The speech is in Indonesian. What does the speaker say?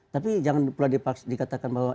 tapi jangan pernah dikatakan bahwa